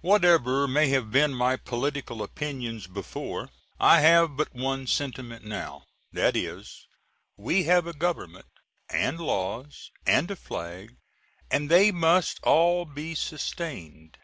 Whatever may have been my political opinions before, I have but one sentiment now. That is, we have a Government, and laws and a flag, and they must all be sustained.